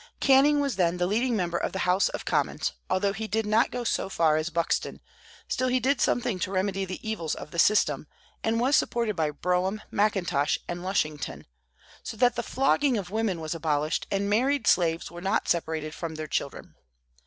Canning was then the leading member of the House of Commons; although he did not go so far as Buxton, still he did something to remedy the evils of the system, and was supported by Brougham, Mackintosh, and Lushington, so that the flogging of women was abolished, and married slaves were not separated from their children.